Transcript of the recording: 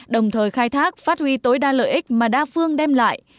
đồng thời khai thác phát huy tối đa lợi ích mà đa phương đem lại